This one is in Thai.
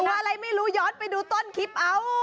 อะไรไม่รู้ย้อนไปดูต้นคลิปเอา